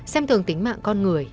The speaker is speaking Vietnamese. xem thường tính mạng con người